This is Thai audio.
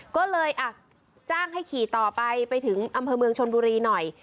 ก็เลยจ้างให้ขี่ต่อไปไปถึงอำเภอเมืองชนบุรีหน่อย